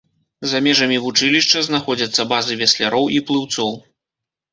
За межамі вучылішча знаходзяцца базы весляроў і плыўцоў.